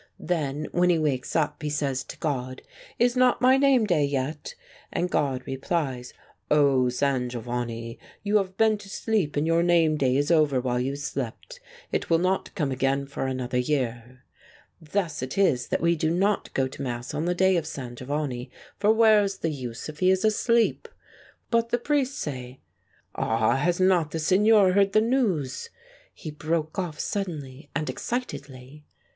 Then when he wakes up he says to God, ' Is not my name day yet ?' And God replies, ' O San Giovanni, you have been to sleep and your name day is over while you slept. It will not come again for another year.' Thus it is that we do not go to mass on the day of San Giovanni, for where is the use if he be asleep? But the priests say — Ah ! has not the Signor heard the news ?" he broke off suddenly and excitedly.